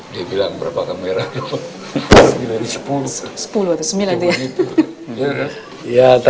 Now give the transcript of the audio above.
dia bilang berapa kamera loh